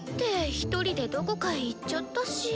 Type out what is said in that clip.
１人でどこかへ行っちゃったし。